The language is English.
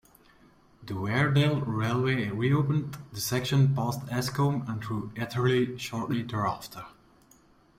The Weardale Railway reopened the section past Escomb and through Etherley shortly thereafter.